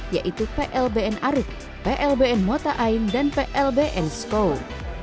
yaitu plbn arif plbn mota ain dan plbn skow